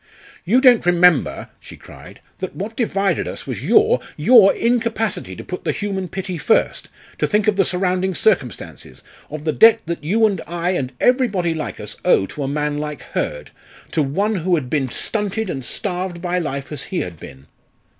"You don't remember," she cried, "that what divided us was your your incapacity to put the human pity first; to think of the surrounding circumstances of the debt that you and I and everybody like us owe to a man like Hurd to one who had been stunted and starved by life as he had been."